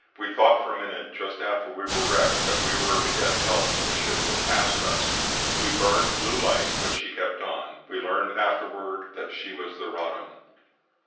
We thought for a minute just after we were wrecked that we were to get help from a ship that passed us. We burned blue lights, but she kept on. We learned afterward that she was the Roddam."